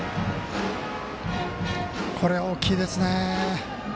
これ大きいですね。